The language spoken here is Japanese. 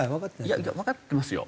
いやわかってますよ。